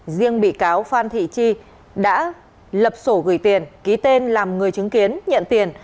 riêng bị cáo phan thị chi đã lập sổ gửi tiền ký tên làm người chứng kiến nhận tiền